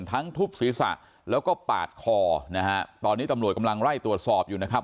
ทุบศีรษะแล้วก็ปาดคอนะฮะตอนนี้ตำรวจกำลังไล่ตรวจสอบอยู่นะครับ